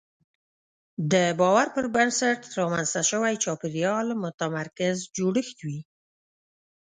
د باور پر بنسټ رامنځته شوی چاپېریال متمرکز جوړښت وي.